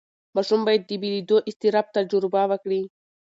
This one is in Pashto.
ماشوم باید د بېلېدو اضطراب تجربه وکړي.